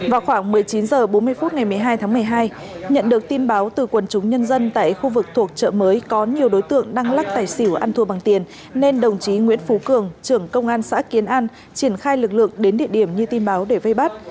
vào khoảng một mươi chín h bốn mươi phút ngày một mươi hai tháng một mươi hai nhận được tin báo từ quần chúng nhân dân tại khu vực thuộc chợ mới có nhiều đối tượng đang lắc tài xỉu ăn thua bằng tiền nên đồng chí nguyễn phú cường trưởng công an xã kiến an triển khai lực lượng đến địa điểm như tin báo để vây bắt